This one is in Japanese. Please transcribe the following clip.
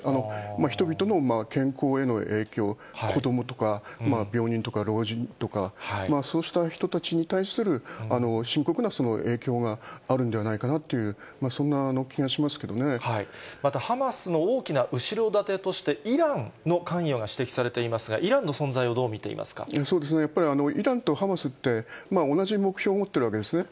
人々の健康への影響、子どもとか病人とか老人とか、そうした人たちに対する深刻な影響があるんではないかなという、またハマスの大きな後ろ盾としてイランの関与が指摘されていますが、やっぱりイランとハマスって、同じ目標を持ってるわけですね。